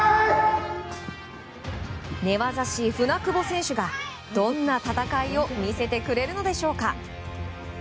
寝技師・舟久保選手がどんな戦いを見せるのでしょうか。